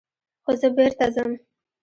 خو زه بېرته ځم.